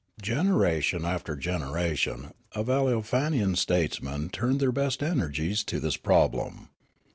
84 Riallaro Generation after generation of Aleofanian statesmen turned their best energies to this problem.